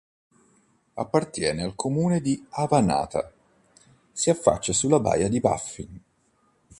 Appartenente al comune di Avannaata, si affaccia sulla Baia di Baffin.